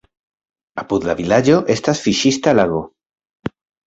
Apud la vilaĝo estas fiŝista lago.